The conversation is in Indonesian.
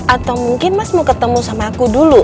atau mungkin mas mau ketemu sama aku dulu